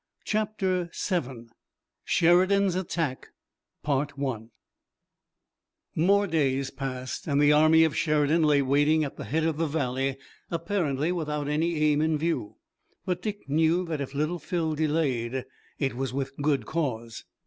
CHAPTER VII SHERIDAN'S ATTACK More days passed and the army of Sheridan lay waiting at the head of the valley, apparently without any aim in view. But Dick knew that if Little Phil delayed it was with good cause.